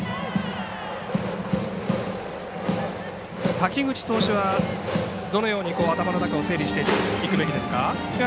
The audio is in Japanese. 滝口投手はどのように頭の中を整理していくべきですか？